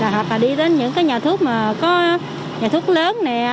hoặc là đi đến những cái nhà thuốc mà có nhà thuốc lớn này